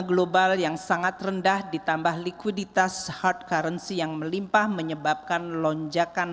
global yang sangat rendah ditambah likuiditas heart currency yang melimpah menyebabkan lonjakan